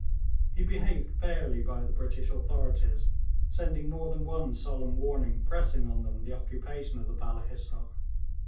He behaved fairly by the British authorities, sending more than one solemn warning pressing on them the occupation of the Balla Hissar.